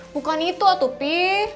bukan itu atu pi